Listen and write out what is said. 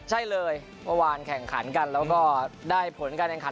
ใช่เลยเมื่อวานแข่งขันกันแล้วก็ได้ผลการแข่งขัน